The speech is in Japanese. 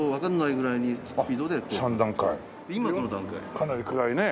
かなり暗いね。